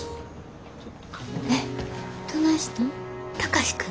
えっどないしたん？